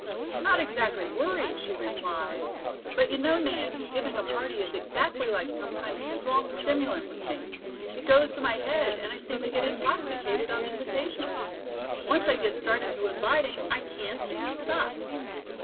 "Not exactly worried," she replied. "But, you know, Nance, giving a party is exactly like some kind of strong stimulant with me. It goes to my head, and I seem to get intoxicated on invitations. Once I get started to inviting, I can't seem to stop."